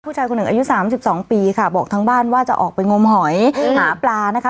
ผู้ชายคนหนึ่งอายุสามสิบสองปีค่ะบอกทั้งบ้านว่าจะออกไปงมหอยหาปลานะคะ